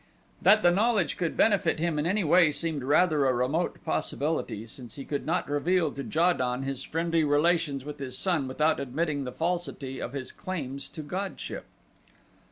That the knowledge would benefit him in any way seemed rather a remote possibility since he could not reveal to Ja don his friendly relations with his son without admitting the falsity of his claims to godship.